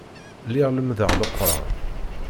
Lliɣ lemmdeɣ Leqran.